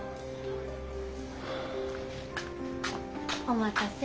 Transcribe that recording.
お待たせ。